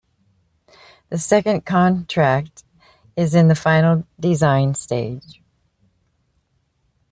The second contract is in the final design stage.